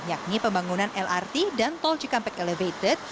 yakni pembangunan lrt dan tol cikampek elevated